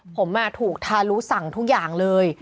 ผมถูกทารุสั่งทุกอย่างเลย